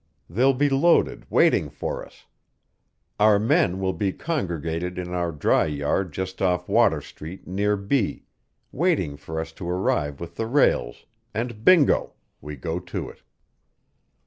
They'll be loaded waiting for us; our men will be congregated in our dry yard just off Water Street near B, waiting for us to arrive with the rails and bingo we go to it.